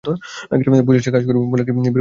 পুলিশে কাজ করি বলে কি বিরক্তও হতে পারব না?